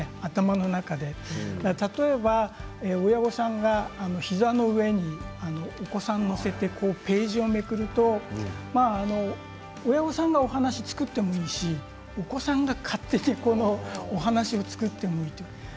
頭の中で例えば親御さんが膝の上にお子さんを乗せてページをめくると親御さんがお話を作ってもいいしお子さんが勝手にお話を作ってもいい。